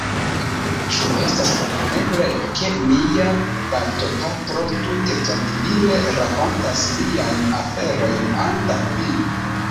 Ĉu estas kompreneble, ke mia baptopatro tute trankvile rakontas niajn aferojn antaŭ vi?